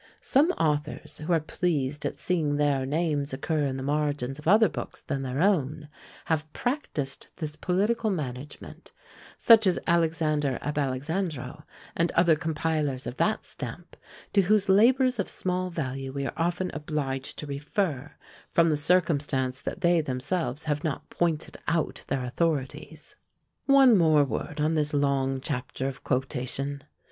Some authors, who are pleased at seeing their names occur in the margins of other books than their own, have practised this political management; such as Alexander ab Alexandro, and other compilers of that stamp, to whose labours of small value we are often obliged to refer, from the circumstance that they themselves have not pointed out their authorities. One word more on this long chapter of QUOTATION.